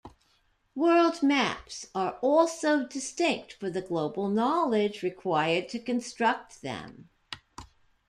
World maps are also distinct for the global knowledge required to construct them.